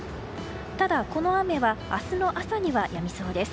ただ、この雨は明日の朝にはやみそうです。